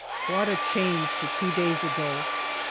What a change to two days ago